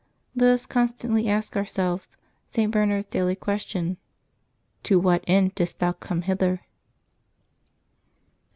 '' Let us constantly ask ourselves St. Bernard's daily question, " To what end didst thou come hither